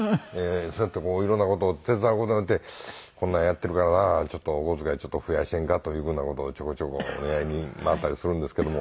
そうやって色んな事を手伝う事によって「こんなやっているからなちょっとお小遣い増やせんか？」というふうな事をちょこちょこお願いに回ったりするんですけども。